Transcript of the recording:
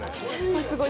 すごい。